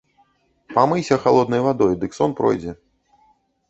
Памыйся халоднай вадой, дык сон пройдзе.